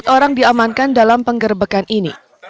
empat orang diamankan dalam penggerbekan ini